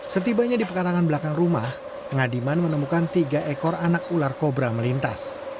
setibanya di pekarangan belakang rumah pengadiman menemukan tiga ekor anak ular kobra melintas